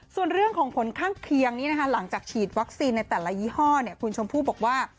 ส่วนเรื่องของผลข้างเคียงนี้นะคะหลังจากฉีดวัคซีนในแต่ละยี่ห้อคุณชมพู่บอกว่า